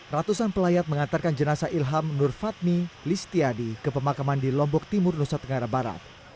ratusan pelayat mengantarkan jenazah ilham nurfatmi listiadi ke pemakaman di lombok timur nusa tenggara barat